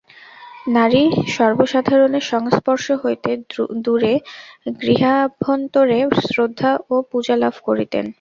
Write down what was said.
নারী সর্বসাধারণের সংস্পর্শ হইতে দূরে গৃহাভ্যন্তরে শ্রদ্ধা ও পূজা লাভ করিতেন।